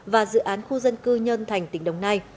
và dự án khu dân cư nhân thành tỉnh đồng nai